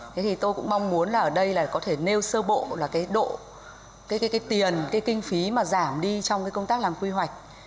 thế thì tôi cũng mong muốn là ở đây là có thể nêu sơ bộ là cái độ cái tiền cái kinh phí mà giảm đi trong cái công tác làm quy hoạch